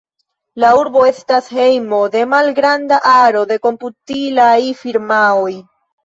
La urbo estas hejmo de malgranda aro de komputilaj firmaoj.